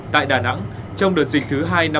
tại đà nẵng trong đợt dịch thứ hai năm hai nghìn hai mươi